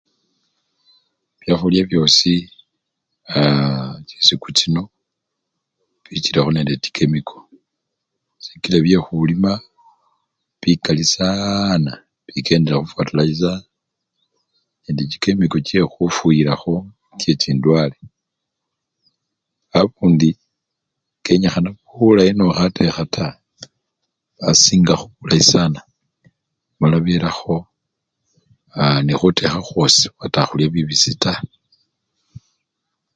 Byakhulya byosi aa! chisiku chino bichilakho nende chikemiko sikila byekhulima bikali sana bikendela khufwatilayisa nende chikemiko chekhufuyilakho chechindwale. Abundi kenyikhana bulayi nokhatekha taa basingakho bulayi sana mala belakho aa! nekhutekha khwosi watakhulya bibisi taa.